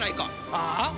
ああ？